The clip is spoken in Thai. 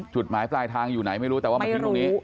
จุดหมายปลายทางอยู่ไหนไม่รู้แต่ว่ามาทิ้งตรงนี้